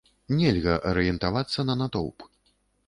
Нельга арыентавацца на натоўп.